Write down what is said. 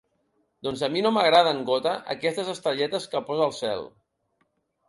Doncs a mi no m'agraden gota aquestes estrelletes que posa al cel.